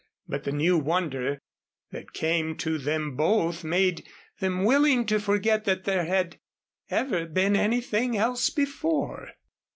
But the new wonder that came to them both made them willing to forget that there had ever been anything else before.